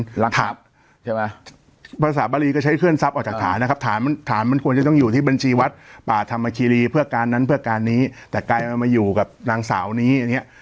หลักฐานใช่ไหมภาษาบารีก็ใช้เคลื่อทรัพย์ออกจากฐานนะครับฐานมันควรจะต้องอยู่ที่บัญชีวัดป่าธรรมคีรีเพื่อการนั้นเพื่อการนี้แต่กลายมาอยู่กับนางสาวนี้อย่างเงี้ย